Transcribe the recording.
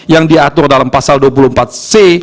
yang diatur dalam pasal dua puluh empat c